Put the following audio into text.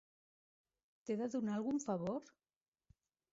T'he de donar algun favor?